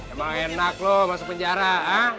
emang enak lo masuk penjara ha